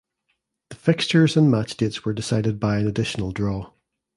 The fixtures and match dates were decided by an additional draw.